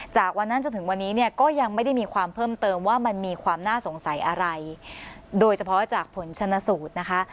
จากวันนั้นจนถึงวันนี้เนี่ยก็ยังไม่ได้มีความเพิ่มเติมว่ามันมีความน่าสงสัยอะไรโดยเฉพาะจากผลชนสูตรนะคะ